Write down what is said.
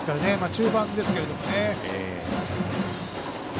中盤ですけどもね。